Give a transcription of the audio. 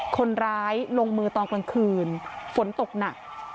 คนร้ายลงมือตอนกลางคืนฝนตกหนัก